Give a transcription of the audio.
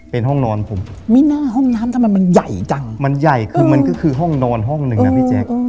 เป็นห้องนอนผมไม่หน้าห้องน้ำทำไมมันใหญ่จังมันใหญ่คือมันก็คือห้องนอนห้องหนึ่งนะพี่แจ๊ค